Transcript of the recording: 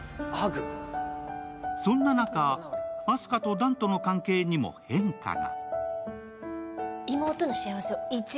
そんな中、あす花と弾との関係にも変化が。